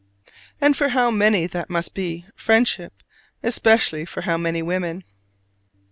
And for how many that must be friendship especially for how many women!